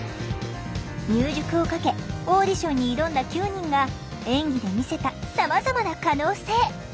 入塾をかけオーディションに挑んだ９人が演技で見せたさまざまな可能性。